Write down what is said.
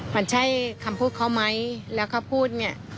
มันใช่คำพูดเขาไหมแล้วเขาพูดเนี่ย